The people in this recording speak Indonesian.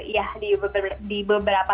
ya di beberapa